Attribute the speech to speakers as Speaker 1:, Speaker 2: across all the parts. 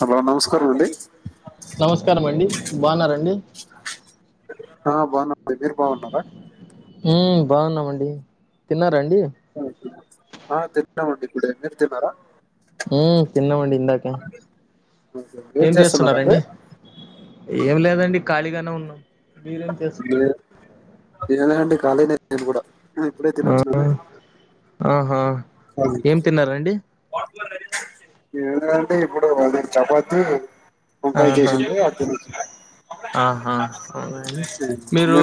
Speaker 1: Hello నమస్కారం అండి.
Speaker 2: బావున్నరాండి
Speaker 1: ఆ బావున్నానండి మీరు బాగున్నారా.
Speaker 2: ఉమ్ బాగున్నామండి తిన్న
Speaker 1: ఆ తిన్నమాండి ఇప్పుడే మీరు తిన్నారా.
Speaker 2: ఉహ్మ్ తిన్నమండి ఇందాకే ఏం చేస్తున్నరాండి. ఏం లేదండి ఖాళీగానే ఉన్నం మీరేం చేస్
Speaker 1: ఎంలేదండి. ఖాళీనే నేను గూడా ఇగ ఎప్పుడై తినోచిన్న నువ్
Speaker 2: ఆహ
Speaker 1: [unintelligible] ఎంటిదంటే ఇప్పుడు వోదనకి చపాతి, వంకాయ
Speaker 2: ఆహా
Speaker 1: చేసింది. అద్ తిన్
Speaker 2: ఆహా అవునండి. మీరు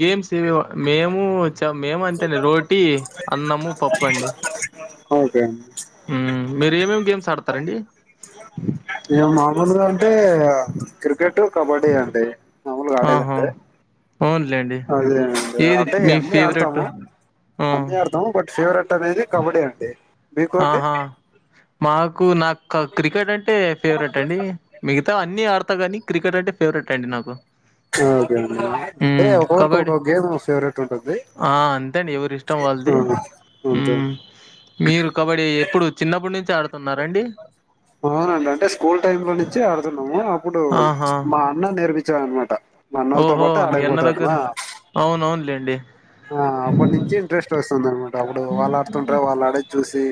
Speaker 2: గేమ్స్ ఇవి మేము చ మేము అంతేన్ రోటీ, అన్నము పప్పండి.
Speaker 1: ఓకేండి
Speaker 2: ఉమ్ మీరు ఏమేమి గేమ్స్ ఆడతారండి.
Speaker 1: టే ఆ క్రికెట్, కబడ్డీ అండి మామూల్గా
Speaker 2: ఆహా
Speaker 1: ఆదేదంటే
Speaker 2: అవునులేండి
Speaker 1: అదే అండి.
Speaker 2: ఏది
Speaker 1: అంటే
Speaker 2: మీ
Speaker 1: అన్ని
Speaker 2: ఫేవరెట్
Speaker 1: ఆడతాము
Speaker 2: ఆ
Speaker 1: అన్ని ఆడతాము బట్ ఫేవరెట్ ట్ అనేది కబడ్డీ అండి. మీకు అండి
Speaker 2: ఆహా మాకు నాక్ కద్ క్రికెట్ అంటే ఫేవరెట్ అండి. మిగతా అన్ని ఆడత గానీ క్రికెట్ అంటే ఫేవరెట్ అండి. నాకు
Speaker 1: ఓకే అండి అంటే
Speaker 2: మ్మ్
Speaker 1: ఒకొవరికి
Speaker 2: కబడ్డీ
Speaker 1: ఒక్కో గేమ్ ఫేవరెట్ ఉంటది.
Speaker 2: ఆ అంతే అండి ఎవరి ఇష్టం వాళ్ది.
Speaker 1: అంతే
Speaker 2: ఉమ్ మీరు కబడ్ డ్డీ ఎప్పుడు చిన్నప్పుడు నుంచి ఆడుతున్నారాండి?
Speaker 1: అవునండి అంటే. స్కూల్ టైం లో నుంచి ఆడుతున్నాము. అప్పుడు
Speaker 2: ఆహా
Speaker 1: మా అన్న నేర్పిించ్ చ్చ అనమాట మా అన్నోళ్ళతో
Speaker 2: ఓహో
Speaker 1: పాటు
Speaker 2: మీ అన్న
Speaker 1: ఆడకపోతాడు
Speaker 2: దగ్గర
Speaker 1: మా
Speaker 2: అవున అవునులేండి.
Speaker 1: ఆ అప్పటినుంచి ఇంట్రెస్ట్ వస్తుంది అనమాట. అప్పుడు వాళ్ళు ఆడుతుంటార వాళ్ ఆడేది చూసి.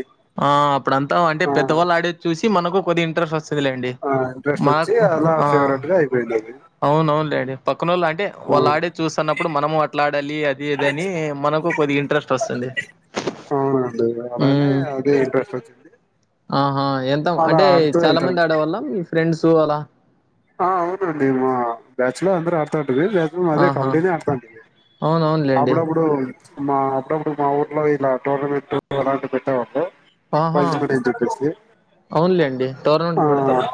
Speaker 2: ఆ అప్పుడ అంతా అంటే.
Speaker 1: ఆ
Speaker 2: పెద్దవాళ్ళు ఆడే చూసి మనకు కొద్ది ఇంట్రెస్ట్ వస్ దిలేండి
Speaker 1: ఆ ఇంట్రెస్ట్ వచ్చి
Speaker 2: మాకు
Speaker 1: అలా
Speaker 2: ఆ
Speaker 1: ఫేవరెట్ గా అయిపోయింది అది
Speaker 2: అవునవును లే పక్కనోళ్ళు అంటే
Speaker 1: ఆ
Speaker 2: వాళ్ళు ఆడేది చూస్తున్నప్పుడు మనము అట్లా ఆడాలి అ అదిదని మనకు కొద్దిగా ఇంట్రెస్ట్ వస్తుంది
Speaker 1: అవునండి అలానే అదే ఇంట్రెస్ట్ వచ్చింది
Speaker 2: ఆహా ఎంత
Speaker 1: అలా
Speaker 2: అంటే
Speaker 1: ఆడుతూ
Speaker 2: చాలా
Speaker 1: వెళ్తాను
Speaker 2: మంది ఆడేవాళ్ళ మీ ఫ్రెండ్స్ అలా
Speaker 1: ఆ అవునండి మా బ్యాచ్ లో అందరు ఆడతడు అదే
Speaker 2: ఆహా!
Speaker 1: కబడ్డీని ఆడతాంటారూ
Speaker 2: అవునవునులెండి.
Speaker 1: అప్పుడప్పుడు మా అప్పుడప్పుడు మా ఊర్లో ఇలా టోర్నమెంట్ అలాంటి పెట్టేవాళ్ళు
Speaker 2: ఆహా
Speaker 1: ప్రైజ్మనీ అని చెప్పేసి
Speaker 2: అవునులేండి
Speaker 1: ఆ
Speaker 2: టోర్నమెంట్లు పెడతారు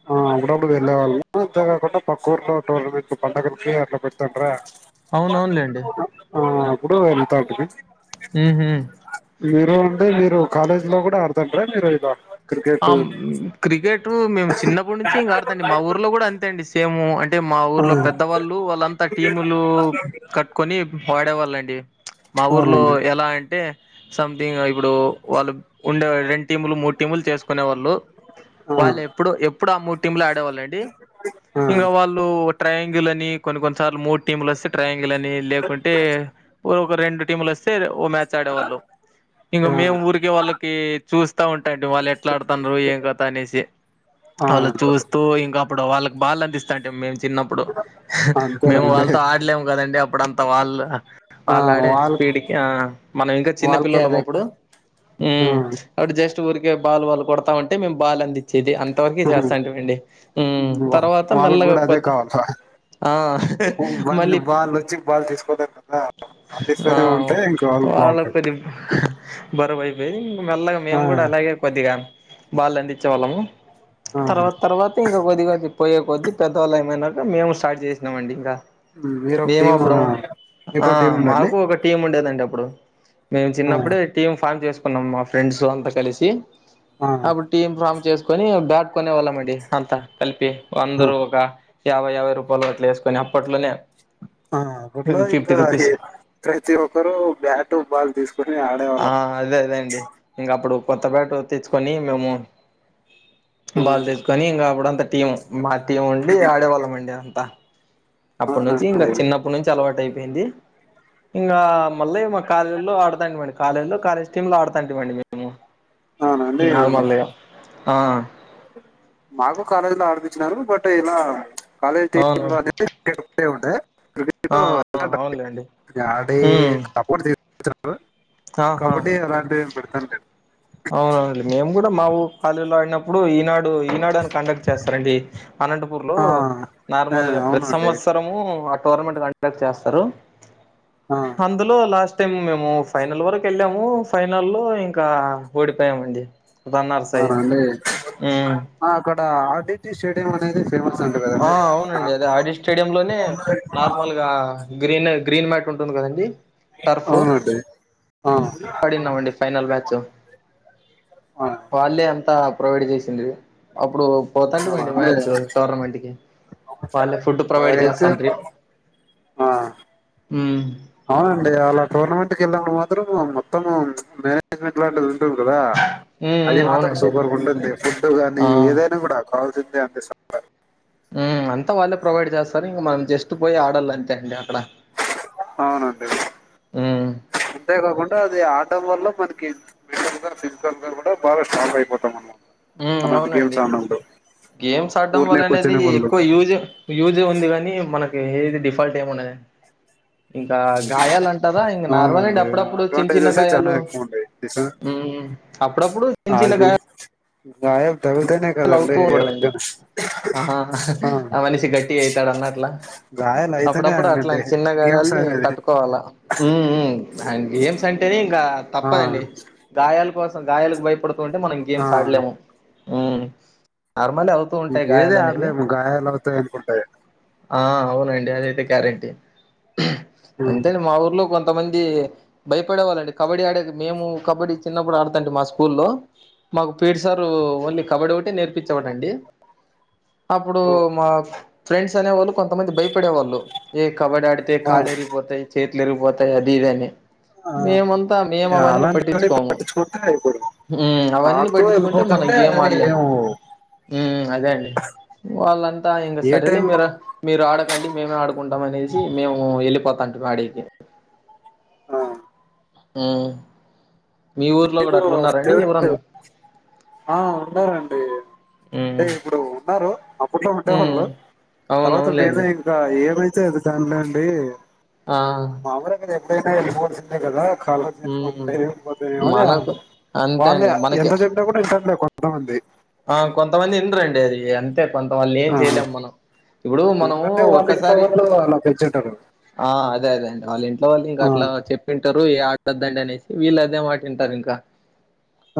Speaker 1: ఆ అప్పుడపుడు వెళ్లే వాళ్ళము పక్క ఊర్లో టూర్నమెంట్ పంగగల్కి అట్లా పెడటంట్లే
Speaker 2: అవునవునులెండి.
Speaker 1: ఆ ఇప్పుడు అంత ఉంటిమీ
Speaker 2: ఉహు
Speaker 1: మీరు అంటే మీరు కాలేజీ లో కూడా ఆడతాంటిరా మీరు ఇలా
Speaker 2: ఆ
Speaker 1: క్రికెట్
Speaker 2: క్రికెట్ మేము చిన్నప్పటి నుంచి ఇంకా ఆడత అండి మా ఊర్లో కూడా అంతే అండి సేమ్ అంటే మా
Speaker 1: ఆ
Speaker 2: ఊర్లో పెద్దవాళ్ళు వాళ్ళంతా టీములు కట్టుకొని ఆడేవాళ్ళండి మా ఊర్లో
Speaker 1: అవునండి
Speaker 2: ఎలా అంటే సంథింగ్ ఇప్పుడు వాళ్ళు ఉండే రెండు టీములు మూడు టీములు చేసుకునే వాళ్ళు
Speaker 1: ఆ
Speaker 2: వాళ్ళు ఎప్పుడు ఎప్పుడు ఆ మూడు టీంలు ఆడేవాళ్ళండి
Speaker 1: ఆ
Speaker 2: ఇంకా వాళ్ళు ట్రయాంగిల్ అని కొన్ని కొన్నిసార్లు మూడు టీములు వస్తే ట్రయాంగిల్ అని లేకుంటే రెండు టీములు వస్తే ఓ మ్యాచ్ ఆడేవాళ్ళు ఇంక మేము ఊరికే వాళ్ళకి చూస్త ఉంటాడి వాళ్ళు ఎట్లా ఆడుతన్నారు ఏం కదా అనేసి
Speaker 1: ఆ ఆ
Speaker 2: వాళ్ళు చూస్తూ ఇంకప్పుడు వాళ్ళ బళ్ళ అందిస్తా ఉంటిమి మేము చిన్నప్పుడు మేము
Speaker 1: అంతేలేండి
Speaker 2: వాళ్ళతో ఆడలేము కదండి అప్పుడు అంత వాళ్ళు
Speaker 1: ఆ
Speaker 2: వాళ్ళు ఆడే
Speaker 1: వాళ్ళ
Speaker 2: వీడికి మనం ఇంకా చిన్న
Speaker 1: వాళ్ళకి
Speaker 2: పిల్లలం
Speaker 1: అదే
Speaker 2: అప్పుడు
Speaker 1: కా- ఆ
Speaker 2: ఎప్పుడూ జస్ట్ పూరికి బాలు వాళు కొడాత ఉంటే మేము బాలు అందించేది ఇది అంతవరకు చేస్తాంటవండి తర్వాత
Speaker 1: వాళ్ళకి
Speaker 2: మెల్లగా
Speaker 1: కూడా అదే
Speaker 2: కొద్ది
Speaker 1: కావాలా
Speaker 2: ఆ
Speaker 1: మంది
Speaker 2: మళ్ళీ
Speaker 1: వాళ్ళు వచ్చి బాల్ తీసుకోలేరు కదా
Speaker 2: ఆ
Speaker 1: అందిస్తూనే ఉంటే ఇంకా వాళ్ళకి
Speaker 2: వాళ్ళ
Speaker 1: బాగుంటది
Speaker 2: కొద్ది బరువైపోయి ఇంకా మెల్లగా
Speaker 1: ఆ
Speaker 2: మేము కూడా అలాగే కొద్ది బళు అందించే వాళ్ళము
Speaker 1: ఆ
Speaker 2: తర్వా తర్వాత ఇంక కొద్దిగా చె పోయే కొది పెద్దవాళ్ళు ఏమనాక మేము స్టార్ట్ చేసినామండి ఇంకా
Speaker 1: మీరు ఒక
Speaker 2: ఏమ
Speaker 1: టీం
Speaker 2: అప్పుడు ఆ
Speaker 1: మీకో టీం ఉండండి
Speaker 2: మాకు ఒక టీమ్ ఉండేదండి అప్పుడు ప్పు మేము
Speaker 1: ఆ
Speaker 2: చిన్నప్పుడే టీమ్ ఫామ్ చేసుకున్నాం మా ఫ్రెండ్స్ అంతా కలిసి
Speaker 1: ఆ
Speaker 2: అప్పుడు టీమ్ ఫామ్ చేసుకొని బాట్కునే వాళ్ళం అండి అంతా కలిపి అందరు ఒక యాభై యాభై రూపాయల అట్ల వేసుకొని అప్పట్లోనే
Speaker 1: ఆ అప్పట్లో
Speaker 2: ఫిఫ్టీ
Speaker 1: ఇంకా
Speaker 2: రూపీస్
Speaker 1: ప్రతి ఒక్కరు బ్యాట్ బాల్ తీసుకుని ఆ
Speaker 2: ఆ అదే అదే అండి ఇంకా అప్పుడు కొత్త బ్యాట్ తీచ్చుకొని మేము
Speaker 1: ఆ
Speaker 2: బాల్ తెసుకొని ఇంకా అప్పుడు అంత టీం మా టీం ఉండి ఆడేవాళ్ళం అండి అంతా అప్పటి నుంచి
Speaker 1: అవునండి
Speaker 2: ఇంకా చిన్నప్పటి నుంచి అలవాటు అయిపోయింది ఇంకా మళ్ళీ మా కాలేజీలో ఆడతాంవండి కాలేజీ లో కాలేజ్ టీం లో ఆడుతాంటమండి మేము
Speaker 1: అవునండి
Speaker 2: నార్మల్ ఇగ ఆ
Speaker 1: మాకు కాలేజ్ లో ఆడిపచ్చినరూ బట్ ఇలా కాలేజ్ టీమ్
Speaker 2: అవును
Speaker 1: లో అనే ఉంట క్రికెడ
Speaker 2: ఆ ఆ అవునులేండి ఉమ్
Speaker 1: సపోర్ట్ [unintelligible]
Speaker 2: ఆహా
Speaker 1: కబడ్డీ అలాంటి పెడుతంటలే [inaudible]
Speaker 2: ఇప్పుడు ఈనాడు ఈనాడుని కండక్ట్ చేస్తారండి అనంతపూర్ లో
Speaker 1: ఆ ఆ
Speaker 2: నార్మల్ గా ప్రతి
Speaker 1: అవునండి
Speaker 2: సంవత్సరము టోర్నమెంట్ కండక్ట్ చేస్తారు
Speaker 1: ఆ
Speaker 2: అందులో లాస్ట్ మే మేము ఫైనల్ వరకు వెళ్ళాము ఫైనల్ లో ఇంకా ఓడిపోయామండి రన్నర్స్ అయి
Speaker 1: అవునండి
Speaker 2: ఉమ్
Speaker 1: అక్కడ ఆర్డటి స్టేడియం అనేది ఫేమస్ అంట
Speaker 2: ఆ
Speaker 1: కదండి
Speaker 2: అవునండి అదే
Speaker 1: నాటపూర్లో
Speaker 2: ఆడ స్టేడియం లోనే నార్మల్ గా గ్రీనర గ్రీన్ మార్ట్ంటుంది కదా అండి
Speaker 1: అవునండి ఆ
Speaker 2: పడిన్నావండి ఫైనల్ మ్యాచ్
Speaker 1: ఆ
Speaker 2: వాళ్ళే అంతా ప్రొవైడ్ చేసింది ఇప్పుడు పోతాటా మంటి
Speaker 1: అవునండి
Speaker 2: మ్యాచ్ టోర్నమెంట్ కి వాళ్ళే ఫుడ్ ప్రొవైడ్
Speaker 1: అయితే
Speaker 2: చేస్తాండీ
Speaker 1: ఆ
Speaker 2: ఆ
Speaker 1: అవునండి అలా టోర్నమెంట్కి వెళ్ళాని మాత్రం మొత్తం మేనేజ్మెంట్ లాంటి ఉంటంది కదా
Speaker 2: ఉమ్
Speaker 1: అది
Speaker 2: ఉమ్
Speaker 1: మాత్రం
Speaker 2: అవునండి అదే
Speaker 1: సూపర్గా ఉంటుంది ఫుడ్ గాని
Speaker 2: ఆ
Speaker 1: ఏదైనా కూడా కావాల్సింది. అంతే సఫారు
Speaker 2: ఉమ్ అంతా వాళ్ళే ప్రొవైడ్ చేస్తారు ఇంకా మనం జస్ట్ పోయి ఆడాలంతే అండి
Speaker 1: అవునండి
Speaker 2: ఉమ్
Speaker 1: అంతే కాకుండా అది ఆ వల్ల మనకి మెంటల్ గా ఫిజికల్ గా కూడా బాగా స్ట్రాంగ్ అయిపోతాం అనమాట
Speaker 2: ఉ అవునండి గేమ్స్ ఆడడం
Speaker 1: ఊరినే
Speaker 2: వల్ల అనేది
Speaker 1: కూర్చునే వాళ్ళు
Speaker 2: ఎక్కువ యూజ్ యూజ్ ఉంది కాగానీ మనకి ఏది డిఫాల్ట్ ఏం ఉండదు ఇంకా గాయాలు అంటారా ఇంకా నార్మల్ అండి
Speaker 1: అవునండి
Speaker 2: అప్పుడప్పుడు చిన్న చిన్న
Speaker 1: అడ్వాంటేజెస్ చాలా
Speaker 2: గాయాలు
Speaker 1: ఎక్కువ ఉండయి డిస
Speaker 2: అప్పుడుప్పుడు చిన్ చిన్న గాయాలు
Speaker 1: గాయ తగులుతానే కదండి
Speaker 2: అవుతూ ఉండకూడదండి ఆహా
Speaker 1: ఎవరితోనా
Speaker 2: ఆ మనిషి గట్టిగా అయితాడు అన్నట్లా
Speaker 1: గాయాల అయితేనే ఆయినంటే గేమ్స్ ఆడేది
Speaker 2: వాల అండ్ గేమ్స్ అంటేనే ఇంకా
Speaker 1: ఆ
Speaker 2: తప్పదండి గాయాల కోసం గాయాలకు భయపడుతూంటే మనం
Speaker 1: ఆ
Speaker 2: గేమ్స్ ఆడలేము ఉమ్ నార్మల్ అవుతూ ఉంటాయి
Speaker 1: ఏది
Speaker 2: గాయలు అనేవి
Speaker 1: ఆడలేము గాయాలు అవుతాయి అనుకుంటాయి
Speaker 2: ఆ అవునండి అదైతే గ్యారెంటే అంతే మా ఊర్లో కొంత కొంతమంది భయపడే వాళ్ళండి కబడ్డీ ఆడేది మేము కబడ్డీ చిన్నప్పుడు ఆడతాండి మా స్కూల్లో మాకు పీటి సార్ ఓన్లీ కబడ్డీ ఒకటి నేర్పించవాడండి అప్పుడు
Speaker 1: ఉమ్,
Speaker 2: మా ఫ్రెండ్స్ అనేవాళ్ళు కొంతమంది బయ పడే వాళ్ళు ఏ కబడ్డీ ఆడితే
Speaker 1: ఆ
Speaker 2: కాళ్ళు ఇరిగిపోతాయి చేతులు ఇరిగిపోతాయి అది ఇదని
Speaker 1: ఆ
Speaker 2: మేమంతా మేము
Speaker 1: ఆ,
Speaker 2: అవన్నీ
Speaker 1: అలాంటివన్నీ
Speaker 2: పట్టించుకోము.
Speaker 1: పట్టించుకుంటే ఇప్పుడు
Speaker 2: అవన్నీ
Speaker 1: ఆడుతూ
Speaker 2: పట్టించుకుంటే మనం
Speaker 1: వెళ్ళిపోతుంటే
Speaker 2: గేమ్
Speaker 1: అది
Speaker 2: ఆడలేము
Speaker 1: ఏమో
Speaker 2: అదే అండి వాళ్ళంతా ఇంకా
Speaker 1: ఏ
Speaker 2: సరేలే
Speaker 1: టైమ్ లో
Speaker 2: మీరు మీరు ఆడకండి మేమే ఆడుకుంటాం అనేసి మేము వెళ్ళిపోతాం. అంట ఆడేది
Speaker 1: ఆ
Speaker 2: ఉం
Speaker 1: మీకు ఫేవరెట్ ఆ ఉన్నారండి.
Speaker 2: మ్మ్
Speaker 1: అంటే ఇప్పుడు ఉన్నారు అప్పట్లో ఉంటే
Speaker 2: మ్మ్
Speaker 1: వాళ్ళు తర్వాత నేను
Speaker 2: అవునవునులేండి
Speaker 1: ఇంకా ఏమైతే దానిలోండి
Speaker 2: ఆ
Speaker 1: ఎప్పుడైనా వెళపోవాల్సిందే కదాళ
Speaker 2: మ్మ్
Speaker 1: ఉంటాయో ఏమ
Speaker 2: మనకు అంతే
Speaker 1: వాళ్ళే
Speaker 2: అండి మనకి
Speaker 1: ఎంత చెబినా కూడా ఇన్టారు లే కొంతమంది
Speaker 2: ఆ కొంతమంది ఇన రండి అది అంతే కొంత వాళ్ళ ఏం
Speaker 1: ఆ,
Speaker 2: చేయలేము మనం ఇప్పుడు మనం
Speaker 1: ఎందుకంటే వాళ్ళ ఇంట్లో
Speaker 2: ఒక్కసారి
Speaker 1: వాళ్ళు అలా పెంచుంటారు
Speaker 2: ఆ అదే అదే అండి వాళ్ళు ఇంట్లో వాళ్ళు ఇంక
Speaker 1: ఆ,
Speaker 2: అట్లా చెప్పింటారు. ఆడద్దండి అనేసి వీళ్ళదే మాటింటారు ఇంకా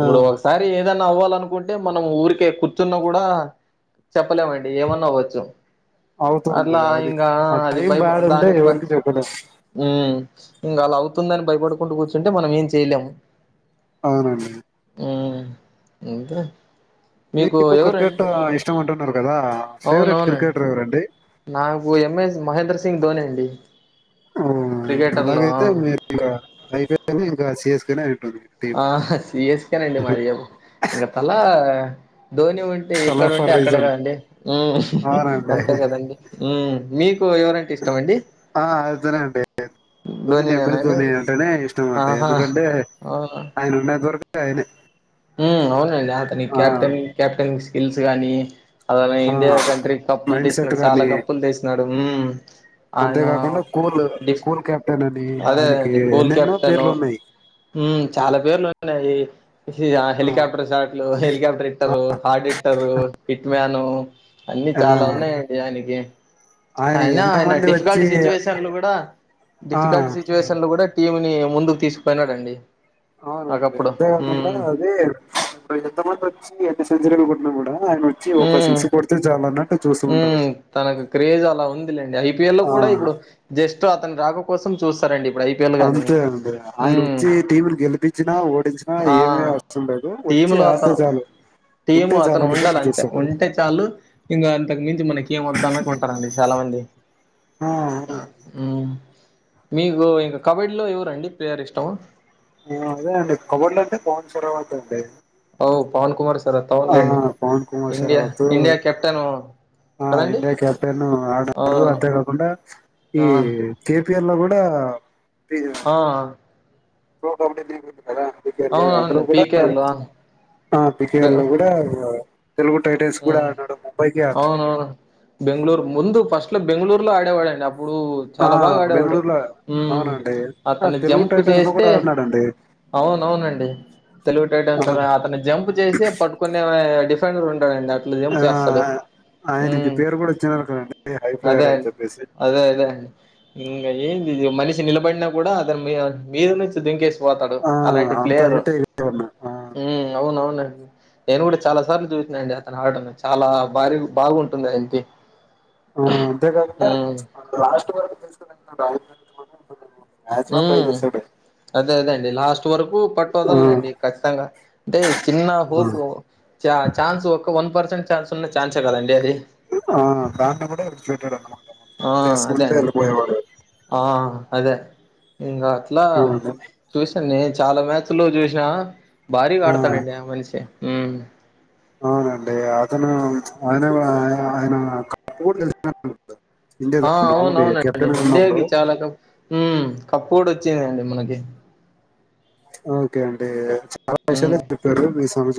Speaker 1: ఆ,
Speaker 2: ఇప్పుడు ఒకసారి ఏ ఏదన్న అవ్వాలనుకుంటే మనం ఊరికే కూర్చున్నా కూడా చెప్పలేమండి ఏమన్నా అవ్వచ్చు అట్ల
Speaker 1: అవుతుంది అది
Speaker 2: ఇంగ
Speaker 1: ఆ
Speaker 2: అది
Speaker 1: టైం
Speaker 2: భయ
Speaker 1: బ్యాడ్ ఉంటే
Speaker 2: దానికి బ
Speaker 1: ఎవరికి చెప్పలేము
Speaker 2: ఉం ఇంకా అలా అవుతుందని భయపడుకుంటూ కూర్చుంటే మనం ఏం చేయలేము.
Speaker 1: అవునండి
Speaker 2: ఉమ్ అంతే
Speaker 1: మీకు క్రికెట్ ఇష్టం అంటున్నారు కదా ఫేవరెట్
Speaker 2: అవునవునండి
Speaker 1: క్రికెటర్ ఎవరండి
Speaker 2: నాకు ఎంఎస్ మహేంద్ర సింగ్ ధోని అండి
Speaker 1: ఓ
Speaker 2: క్రికెటర్
Speaker 1: అలాగైతే
Speaker 2: లో
Speaker 1: మీరు ఇక అయిపోని ఇంకా చేేసుకని
Speaker 2: ఆ సిఎస్కేనండి మాదియాబు ఇం గ తలా ధోని ఉంటే ఇక్కడ
Speaker 1: కలర్
Speaker 2: ఉంటే
Speaker 1: ఫర్
Speaker 2: అక్కడ
Speaker 1: రీజన్
Speaker 2: కాదండి అంతే
Speaker 1: అవునండి
Speaker 2: కదండి మీకు ఎవరంటే ఇష్టం అండి
Speaker 1: ఆ అదితర ఉంటే ధని
Speaker 2: ధోని నేనా
Speaker 1: నమ్మది
Speaker 2: అండి
Speaker 1: ధోని అంటేనే ఇష్టం అండి
Speaker 2: ఆహా
Speaker 1: ఎందుకంటే
Speaker 2: ఆ
Speaker 1: ఆయన ఉన్న ఇది
Speaker 2: అవునండి అతనికి కెప్టెన్ కెప్టెన్ స్కిల్స్ గానీ అలానే
Speaker 1: ఆ
Speaker 2: ఇండియా కంట్రీ కప్పులు
Speaker 1: మైండ్ సెట్
Speaker 2: తీసినాడు చాలా
Speaker 1: గాని
Speaker 2: కప్పులు తీసినాడు ఆయన
Speaker 1: అంతేకాకుండా కూల్
Speaker 2: డీస్
Speaker 1: కూల్ కెప్టెన్ అని ఆయనకి
Speaker 2: అదేదండి కోల్
Speaker 1: ఎన్నెన్నో
Speaker 2: కెప్టెను
Speaker 1: పేర్లు ఉన్నాయి
Speaker 2: ఉ చాలా పేర్లు ఉన్నాయి
Speaker 1: ఆ
Speaker 2: హెలికాాప్టర్ షార్ట్లు హెలికాాప్టర్ ఇట్టరు హార్డ్ ఇట్టరు హిట్ మ్యాను అన్నిీ
Speaker 1: ఆ
Speaker 2: చాలా ఉన్నాయండి ఆయనకి
Speaker 1: ఆయన
Speaker 2: అయినా
Speaker 1: ఎంత
Speaker 2: ఆయన
Speaker 1: మంది వచ్చి
Speaker 2: డిఫికల్ట్ సిచ్యువేషన్లు కూడా
Speaker 1: ఆ
Speaker 2: డిఫికల్ట్ సిచ్యువేషన్లు కూడా టీంని ముందుకు తీసుకుపోయినాడండి
Speaker 1: అవునండి
Speaker 2: ఒకప్పుడు
Speaker 1: అంతేకాకుండా
Speaker 2: హ్మ్
Speaker 1: అదే ఇప్పుడు ఎంత మంది వచ్చి ఎంత సెంచరీలు కుున్నా కూడా ఆయన వచ్చి ఒక సిక్స్ కొడితే చాలన్న
Speaker 2: ఉ తనకు క్రేజ్ అలా ఉందిలేండి ఐపిఎల్ లో కూడా
Speaker 1: ఆ
Speaker 2: ఇప్పుడు జస్ట్ అతని రాక కోసం చూస్తారండి ఇప్పుడు ఐపీఎల్ గాని.
Speaker 1: అంతే అండి ఆయన
Speaker 2: హ్మ్
Speaker 1: వచ్చి టీంని గెలిపించినా ఓడించినా
Speaker 2: ఆ
Speaker 1: ఏమ వస్తుం లేదు వచ్చే
Speaker 2: టీములో
Speaker 1: ఆడితే
Speaker 2: అతను
Speaker 1: చాల
Speaker 2: టీము అతను ఉండాల అంటే ఉంటే చాలు ఇంకా అంత మించంచి మనకి ఏం వద్దా అన్నట్టు ఉంటారంండి చాలా మంది
Speaker 1: ఆ అవునండి
Speaker 2: మ్ మీకు ఇంకా కబడ్డీలో ఎవరండి ప్లేయర్ ఇష్టం
Speaker 1: అదే అండి కబడ్డీ అంటే పవన్ సర అత అండి
Speaker 2: ఓ పవన్ కుమార్ సార్
Speaker 1: ఆ
Speaker 2: తలేండి
Speaker 1: Pawan Kumar
Speaker 2: India
Speaker 1: Sehrawat
Speaker 2: India captain
Speaker 1: ఆ
Speaker 2: కదండి
Speaker 1: ఇండియా క్యాప్టెన్
Speaker 2: ఆ
Speaker 1: ఆడడు అంతే కాకుడా ఈ
Speaker 2: ఆ
Speaker 1: కప్ పేర్లో కూడా
Speaker 2: ఆ
Speaker 1: [inaudible] అద పికేర్లు అందులో
Speaker 2: అవునవును
Speaker 1: కూడా
Speaker 2: పీకేఎల్
Speaker 1: ఆ
Speaker 2: బె
Speaker 1: పికేర్లు కూడా తెలుగు టైటన్స్ కూడా ఆడినాడు ముంబైకి ఆడినాడు
Speaker 2: అవునవును బెంగళూరు ముందు ఫస్ట్ లో బెంగళూరు లో ఆడేవాడండి అప్పుడు
Speaker 1: ఆ
Speaker 2: చాలా బాగా ఆడేవాడు
Speaker 1: బెంగళూరులో
Speaker 2: మ్మ్
Speaker 1: అవునండి ఆ తెలుగు టైటన్స్ లో కూడా ఆడినాడంండి
Speaker 2: అవున అవునండి తెలుగు
Speaker 1: ఆ
Speaker 2: టైటమ్స్ అతను జంప్ చేసి పట్టుకునే దాంట్లో ఎం
Speaker 1: ఆ
Speaker 2: చేస్తడు హ
Speaker 1: ఆయనకి పేరు కూడా ఇచ్చినారు కదండి హై ప్లేయర్
Speaker 2: అదే
Speaker 1: అని చెప్పేసి
Speaker 2: అదే అదే ఇ ఏం మనిషి నిలబడిన కూడా అద మీ మీరుచ్చ దంకే పోతాడు
Speaker 1: ఆ
Speaker 2: అలాంటి
Speaker 1: అంత
Speaker 2: ప్లేయరు
Speaker 1: హైట్ ఉన్నా ఆ
Speaker 2: అవున అవును నేను కూడా చాలా సార్లు చూసా అండి అతను ఆటను చాలా భారీ బాగుంటుంది అయకి
Speaker 1: ఆ అంతే తప్ప లాస్ట్ వర్కి తెల్సుంటున్నది అయన ఎంత మంది ఉంటారో మాక్సిమం ట్రై
Speaker 2: హ్మ్
Speaker 1: చేసాడు
Speaker 2: అదే అదే అండి లాస్ట్ వరకు పట్టు
Speaker 1: ఆ
Speaker 2: వదలండి ఖచ్చితంగా అంటే చిన్న
Speaker 1: ఆ
Speaker 2: హోప్ చ ఛాన్స్ ఒక వన్ర్సెంట్ ఛాన్స్ ఉన్న ఛాన్సే కదండి అది
Speaker 1: ఆ దాన్ని కూడా ఎజుేటెడ్ అనమాట మొత్తం
Speaker 2: ఆ అదే
Speaker 1: చేసుకుంటే
Speaker 2: అండి
Speaker 1: వెళ్ళిపోయేవాడు
Speaker 2: ఆ అదే ఇంకా అట్లా చూసాడి చాలా మ్యాచ్ లో చూసినా భారీగా ఆడతాడండి ఆ మనిషి
Speaker 1: అవునండి అతను అయన వ అయన ఆయన కప్ కూడా గెల్చినట్టున్నాడు
Speaker 2: ఆ అవునవునండి
Speaker 1: ఉన్నప్పుడు
Speaker 2: ఇండియాకి చాలా క కప్పు కూడా వచ్చిందండి మనకి
Speaker 1: ఓకే అండి చాలా
Speaker 2: ఉమ్
Speaker 1: విషయాల చెప్పారు మీ సమాజ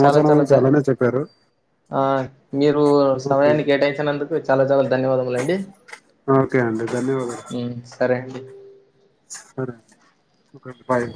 Speaker 2: చాలా చాలా ధ
Speaker 1: చాలానే చెప్పారు
Speaker 2: ఆ మీరు
Speaker 1: ఓకే
Speaker 2: సమయాన్ని
Speaker 1: అండి.
Speaker 2: కేటాయించినందుకు చాలా చాలా ధన్యవాదములు అండి
Speaker 1: ఓకే అండి ధన్యవాదాలు
Speaker 2: సరే అండి
Speaker 1: సరే ఒకే బాయ్